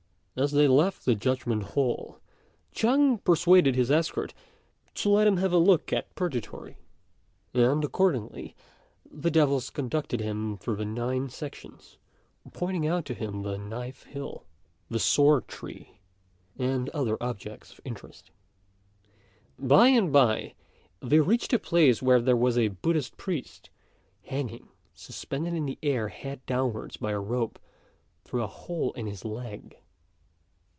As they left the judgment hall, Chang persuaded his escort to let him have a look at Purgatory; and, accordingly, the devils conducted him through the nine sections, pointing out to him the Knife Hill, the Sword Tree, and other objects of interest. By and by, they reached a place where there was a Buddhist priest, hanging suspended in the air head downwards, by a rope through a hole in his leg.